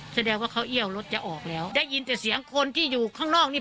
แสดงว่าเขาเอี้ยวรถจะออกแล้วได้ยินแต่เสียงคนที่อยู่ข้างนอกนี่